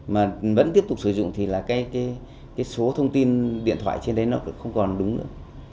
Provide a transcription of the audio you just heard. mà vẫn tiếp tục sử dụng thì là cái số thông tin điện thoại trên đấy nó không còn đúng nữa